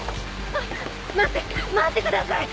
あっ待って待ってください！